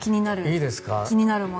気になるもの。